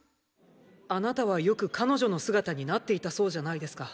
あなたはよく彼女の姿になっていたそうじゃないですか。